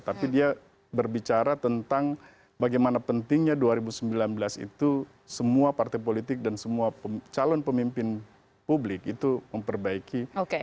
tapi dia berbicara tentang bagaimana pentingnya dua ribu sembilan belas itu semua partai politik dan semua calon pemimpin publik itu memperbaiki